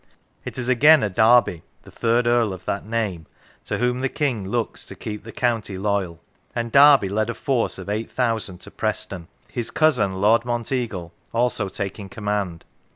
It is again a Derby (the third earl of that name) to whom the King looks to keep the county loyal, and Derby led a force of eight thousand to Preston, his cousin Lord Monteagle also taking command.